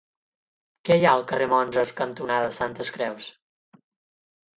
Què hi ha al carrer Monges cantonada Santes Creus?